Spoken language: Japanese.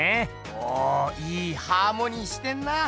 おおいいハーモニーしてんな！